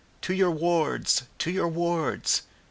"To your wards! To your wards!"